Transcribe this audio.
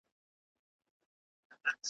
يو دبل په غېږ اغوستي .